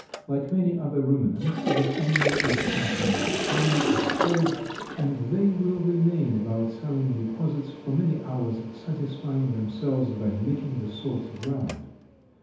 Like many other ruminants, this animal is passionately fond of salt and they will remain about saline deposits for many hours, satisfying themselves by licking the salty ground.